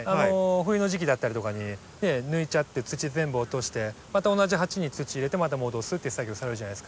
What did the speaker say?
冬の時期だったりとかに抜いちゃって土全部落としてまた同じ鉢に土入れてまた戻すっていう作業されるじゃないですか。